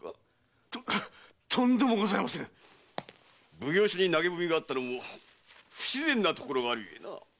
奉行所に投げ文があったのも不自然なところがあるゆえな。